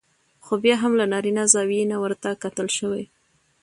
خو بيا هم له نارينه زاويې نه ورته کتل شوي